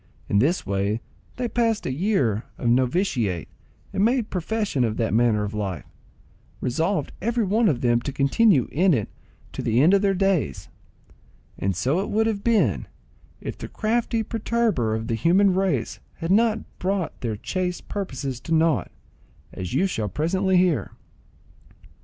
In this way they passed a year of novitiate, and made profession of that manner of life, resolved every one of them to continue in it to the end of their days; and so it would have been, if the crafty perturber of the human race had not brought their chaste purposes to nought, as you shall presently hear.